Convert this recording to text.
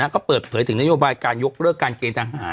ก็เปิดเผยถึงนโยบายการยกเลิกการเกณฑ์ทหาร